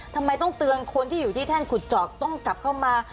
ทำไมต้องเตือนคนที่อยู่ที่แท่นขุดเจาะต้องกลับเข้ามา